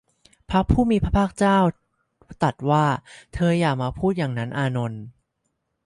พระผู้มีพระภาคตรัสว่า เธออย่าพูดอย่างนั้น อานนท์